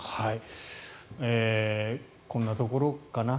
こんなところかな。